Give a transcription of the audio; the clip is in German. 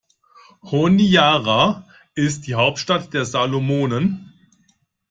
Honiara ist die Hauptstadt der Salomonen.